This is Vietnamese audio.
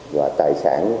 và tài sản